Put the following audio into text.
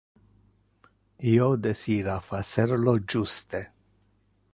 Io desira facer lo juste.